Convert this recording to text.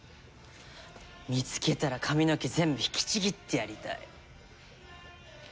見つけたら髪の毛全部引きちぎってやりたい。